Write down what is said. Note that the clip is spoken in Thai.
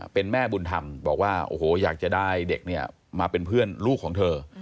เป็นแม่บุญธรรมบอกว่าโอ้โหอยากจะได้เด็กเนี่ยมาเป็นเพื่อนลูกของเธอ